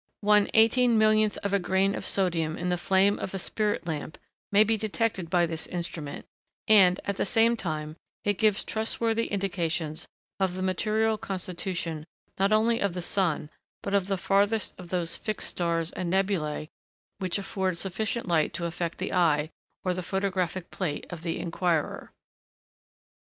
One eighteen millionth of a grain of sodium in the flame of a spirit lamp may be detected by this instrument; and, at the same time, it gives trust worthy indications of the material constitution not only of the sun, but of the farthest of those fixed stars and nebulæ which afford sufficient light to affect the eye, or the photographic plate, of the inquirer. [Sidenote: Electricity.